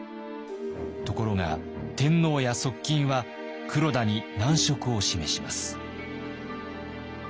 ところが天皇や側近は黒田に難色を示します。